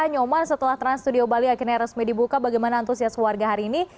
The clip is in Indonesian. nyoman setelah trans studio bali akhirnya resmi dibuka bagaimana antusias warga hari ini